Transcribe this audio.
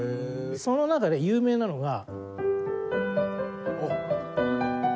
その中で有名なのが。